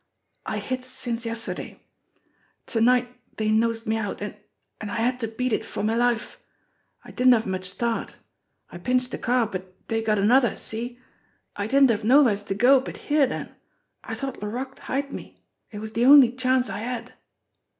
I hid since yesterday. To night dey nosed me out, an' an' I had to beat it for me life. I didn't have much start. I pinched a car, but dey got another see? I didn't have nowheres to go but here, den I thought La roque'd hide me it was de only chance I had."